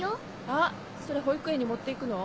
あっそれ保育園に持って行くの？